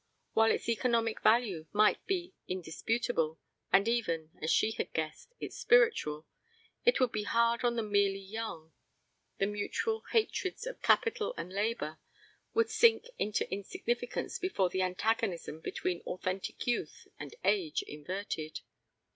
While its economic value might be indisputable, and even, as she had suggested, its spiritual, it would be hard on the merely young. The mutual hatreds of capital and labor would sink into insignificance before the antagonism between authentic youth and age inverted.